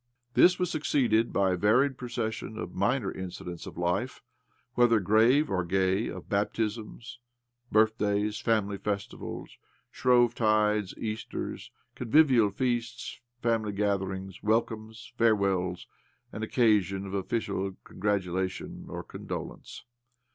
This was succeeded by a varied procession of minor incidents of life, whether grave or gay — of baptisms, birthdays, family festivals, Shrovetides, Easters, convivial feasts, family gatherings, welcomes, fare wells, and occasions of official congratula tion or condolence.